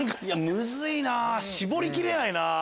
ムズいな絞りきれないな。